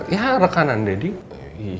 ya ya rekanan daddy